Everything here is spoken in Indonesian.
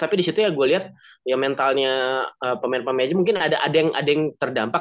tapi disitu ya gue liat ya mentalnya pemain pemain aja mungkin ada yang terdampak